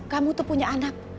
kamu tuh punya anak